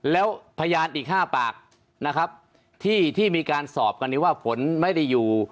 แล้วพยานอีก๕ปากนะครับที่มีการสอบกันนี้ว่าฝนไม่ได้อยู่